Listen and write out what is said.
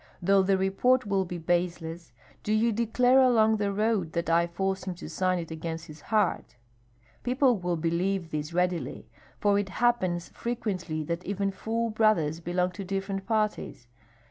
Though the report will be baseless, do you declare along the road that I forced him to sign it against his heart. People will believe this readily, for it happens frequently that even full brothers belong to different parties.